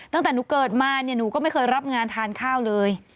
ตั้งแต่หนูเกิดมาเนี่ยหนูก็ไม่เคยรับงานทานข้าวเลย